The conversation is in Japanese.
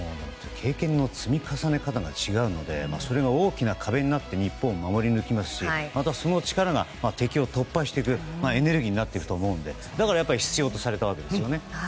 経験の積み重ね方が違うのでそれが大きな壁になって日本を守り抜きますしまたその力が敵を突破していくエネルギーになっていくと思うので、だから必要とされたわけですよね。